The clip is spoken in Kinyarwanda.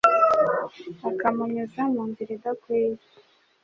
akamunyuza mu nzira idakwiye